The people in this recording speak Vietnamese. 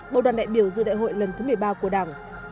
bầu đoàn đại biểu dự đại hội lần thứ một mươi ba của đảng